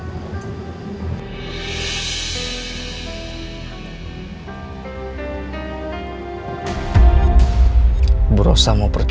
hai berosa mau pergi